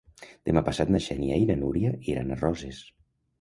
Demà passat na Xènia i na Núria iran a Roses.